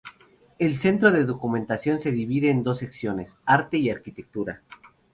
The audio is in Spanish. El Centro de Documentación se divide en dos secciones: arte y arquitectura.